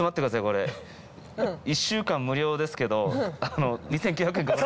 １週間無料ですけど２，９００円かかる。